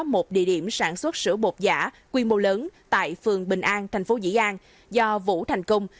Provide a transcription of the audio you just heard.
một địa điểm sản xuất sữa bột giả quy mô lớn tại phường bình an thành phố dĩ an do vũ thành công